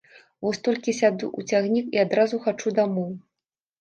Вось толькі сяду ў цягнік і адразу хачу дамоў!